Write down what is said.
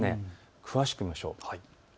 詳しく見てみましょう。